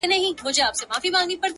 چي محبت يې زړه كي ځاى پـيـدا كـړو؛